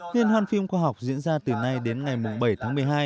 liên hoan phim khoa học diễn ra từ nay đến ngày bảy tháng một mươi hai